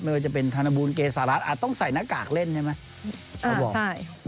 ว่าจะเป็นธนบูลเกษารัฐอาจต้องใส่หน้ากากเล่นใช่ไหม